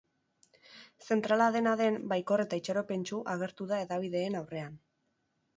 Zentrala dena den, baikor eta itxaropentsu agertu da hedabideen aurrean.